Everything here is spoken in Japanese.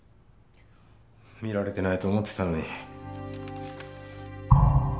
見られてないと思ってたのに。